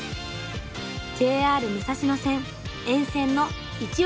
ＪＲ武蔵野線沿線のいちオシ！